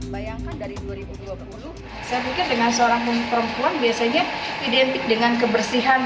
saya pikir dengan seorang perempuan biasanya identik dengan kebersihan